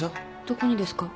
どこにですか？